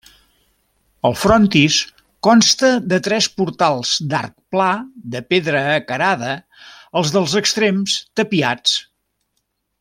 El frontis consta de tres portals d'arc pla de pedra acarada, els dels extrems tapiats.